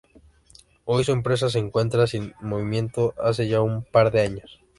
Hoy su empresa se encuentra sin movimiento hace ya un par de años.